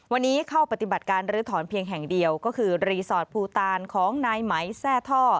วันนี้เข้าปฏิบัติการลื้อถอนเพียงแห่งเดียวก็คือรีสอร์ทภูตานของนายไหมแทร่ท่อ